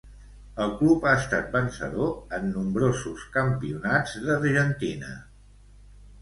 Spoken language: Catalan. El club ha estat vencedor en nombrosos campionats d'Argentina.